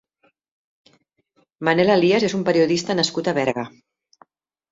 Manel Alías és un periodista nascut a Berga.